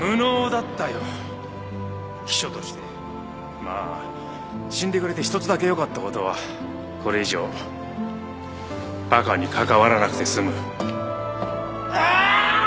まあ死んでくれて一つだけよかったことはこれ以上バカに関わらなくて済む